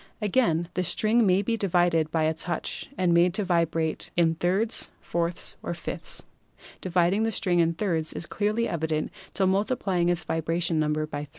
Again, the string may be divided by a touch and made to vibrate in thirds or fourths or fifths. Dividing the string in thirds is clearly equivalent to multiplying its vibration number by 3.